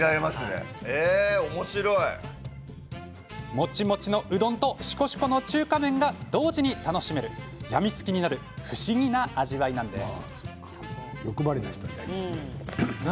モチモチのうどんとシコシコの中華麺が同時に楽しめる病みつきになる不思議な味わいなんです。